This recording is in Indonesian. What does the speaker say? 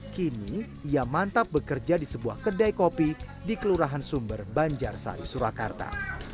kini ia mantap bekerja di sebuah kedai kopi di kelurahan sumber banjarsari surakarta